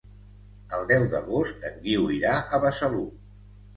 El deu d'agost en Guiu irà a Besalú.